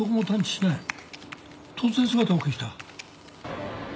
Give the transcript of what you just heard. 突然姿を消した。